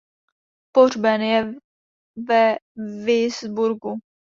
Pohřben je ve Würzburgu.